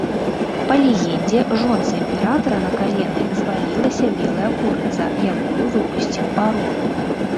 Па легендзе, жонцы імператара на калены звалілася белая курыца, якую выпусціў арол.